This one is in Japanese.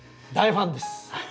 大ファンです。